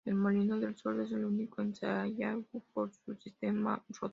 El Molino del Sordo es único en Sayago por su sistema rotor.